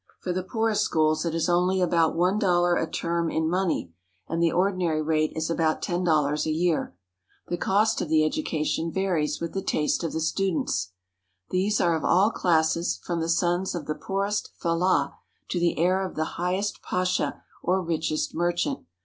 For the poorest schools it is only about one dollar a term in money, and the ordinary rate is about ten dollars a year. The cost of the educa tion varies with the taste of the students. These are of all classes from the sons of the poorest fellah to the heir of the highest pasha or richest merchant.